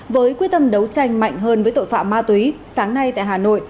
với quyết tâm đấu tranh mạnh hơn với tội phạm ma túy sáng nay tại hà nội